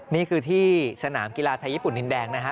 นี่คือที่สนามกีฬาไทยญี่ปุ่นดินแดงนะฮะ